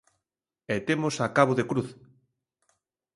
E temos a Cabo de Cruz.